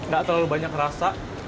gak terlalu banyak rasa